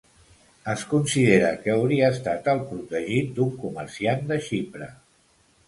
Es considera que hauria estat el protegit d'un comerciant de Xipre.